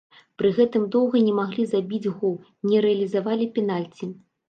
Пры гэтым доўга не маглі забіць гол, не рэалізавалі пенальці.